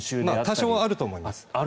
多少はあると思います。